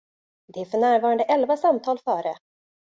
Det är för närvarande elva samtal före.